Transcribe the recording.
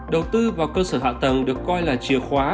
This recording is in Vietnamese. đầu tư vào cơ sở hạ tầng được coi là chìa khóa